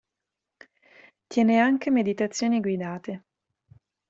Tiene anche meditazioni guidate.